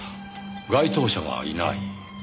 該当者がいない。